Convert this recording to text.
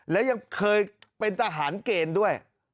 และยังเคยเป็นทหารเกณฑ์ด้วย